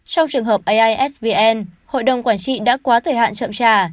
trong trường hợp aisvn hội đồng quản trị đã quá thời hạn chậm trả